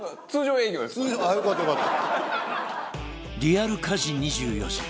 リアル家事２４時